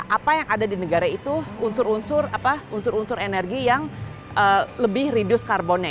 karena apa yang ada di negara itu unsur unsur energi yang lebih reduce karbonnya itu